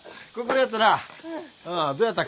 どやった？